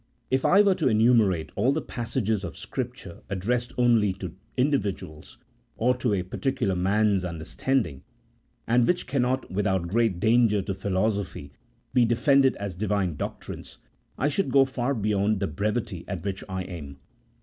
If I were to enumerate all the passages of Scripture addressed only to individuals, or to a particular man's understanding, and which cannot, without great danger to philosophy, be defended as Divine doctrines, I should go far beyond the brevity at which I aim.